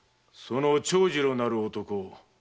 その長次郎なる男